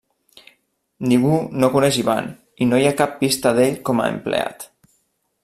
Ningú no coneix Ivan i no hi ha cap pista d'ell com a empleat.